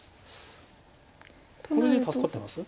これで助かってます？